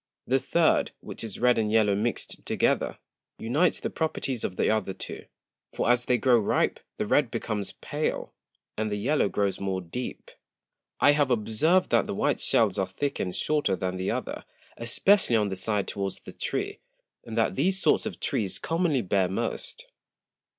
The Third, which is Red and Yellow mix'd together, unites the Properties of the other two; for as they grow ripe, the Red becomes pale, and the Yellow grows more deep. I have observed that the white Shells are thicker and shorter than the other, especially on the side towards the Tree, and that these sorts of Trees commonly bear most.